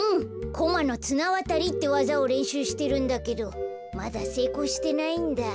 コマのつなわたりってわざをれんしゅうしてるんだけどまだせいこうしてないんだ。